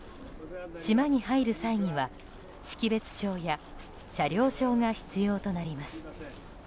島に入る際には、識別証や車両証が必要となります。